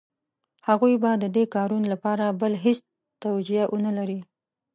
هغوی به د دې کارونو لپاره بله هېڅ توجیه ونه لري.